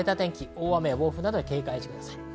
大雨、暴風に警戒してください。